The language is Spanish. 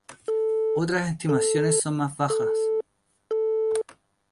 Otras estimaciones son más bajas.